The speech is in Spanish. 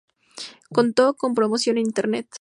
Contó con promoción en internet.